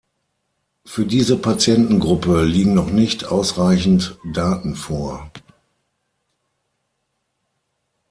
Für diese Patientengruppe liegen noch nicht ausreichend Daten vor.